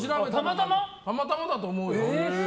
たまたまだと思うよ。